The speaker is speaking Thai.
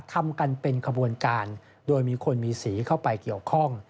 ทำกันเป็นขบวนการโดยมีคนมีสีเข้าไปเกี่ยวข้อง